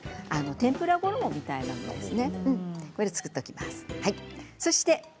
天ぷらの衣みたいなものですね。